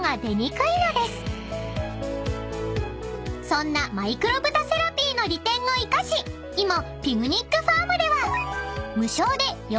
［そんなマイクロブタセラピーの利点を生かし今ｐｉｇｎｉｃｆａｒｍでは］